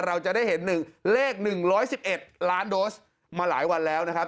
เราจะได้เห็น๑เลข๑๑๑ล้านโดสมาหลายวันแล้วนะครับ